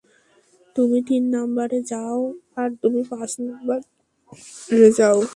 তুমি তিন নাম্বারে যাও আর তুমি পাঁচ নাম্বারে যাও।